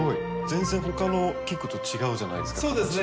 全然他の菊と違うじゃないですか形が。